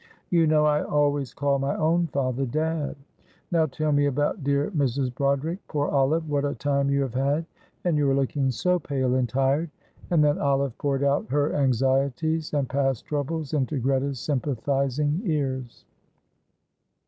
You know I always called my own father dad. Now tell me about dear Mrs. Broderick. Poor Olive, what a time you have had; and you are looking so pale and tired." And then Olive poured out her anxieties and past troubles into Greta's sympathising ears.